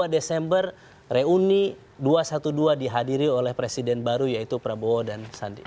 dua desember reuni dua ratus dua belas dihadiri oleh presiden baru yaitu prabowo dan sandi